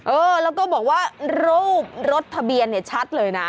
เออแล้วก็บอกว่ารูปรถทะเบียนเนี่ยชัดเลยนะ